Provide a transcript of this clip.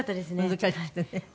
難しくてね。